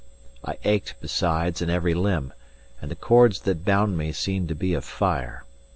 I ached, besides, in every limb, and the cords that bound me seemed to be of fire.